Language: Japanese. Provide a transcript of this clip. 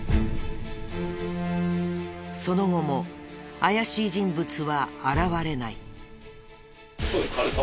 その後も怪しい人物は現れない。